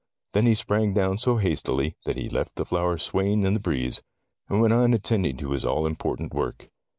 Then he sprang down so hastily that he left the flower swaying in the breeze, and went on attending to his all important work.